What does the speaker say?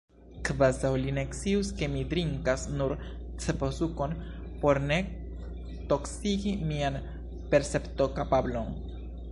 Kvazaŭ li ne scius ke mi drinkas nur ceposukon, por ne toksigi mian perceptokapablon!